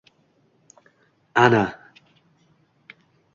Ana